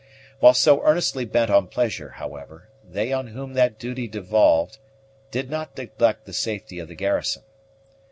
While so earnestly bent on pleasure, however, they on whom that duty devolved did not neglect the safety of the garrison.